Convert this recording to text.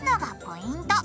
ポイント！